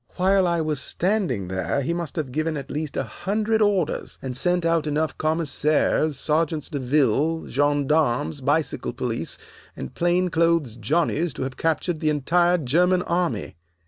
While I was standing there he must have given at least a hundred orders, and sent out enough commissaires, sergeants de ville, gendarmes, bicycle police, and plain clothes Johnnies to have captured the entire German army.